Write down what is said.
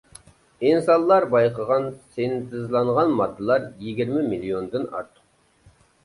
ئىنسانلار بايقىغان سىنتېزلانغان ماددىلار يىگىرمە مىليوندىن ئارتۇق.